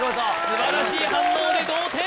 素晴らしい反応で同点！